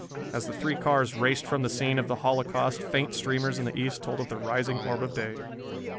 As the three cars raced from the scene of the holocaust, faint streamers in the east told of the rising orb of day.